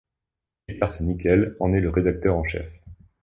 Eckhart Nickel en est le rédacteur en chef.